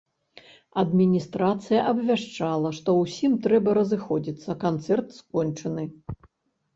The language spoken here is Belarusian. Адміністрацыя абвяшчала, што ўсім трэба разыходзіцца, канцэрт скончаны.